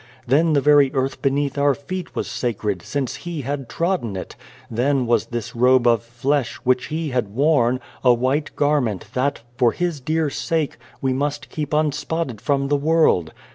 Then the very earth beneath our feet was sacred, since He had trodden it ; then was this robe of flesh, which He had worn, a white garment that, for His dear sake, we must keep unspotted from the world.